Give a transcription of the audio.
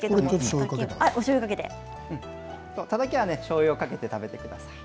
たたきは、しょうゆをかけて食べてください。